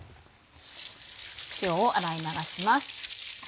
塩を洗い流します。